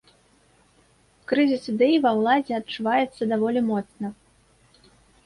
Крызіс ідэй ва ўладзе адчуваецца даволі моцна.